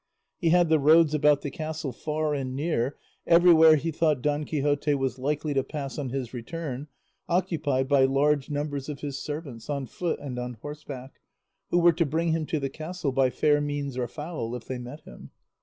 He had the roads about the castle far and near, everywhere he thought Don Quixote was likely to pass on his return, occupied by large numbers of his servants on foot and on horseback, who were to bring him to the castle, by fair means or foul, if they met him.